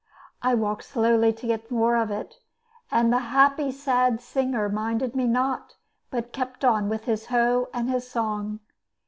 I walked slowly to get more of it, and the happy sad singer minded me not, but kept on with his hoe and his song.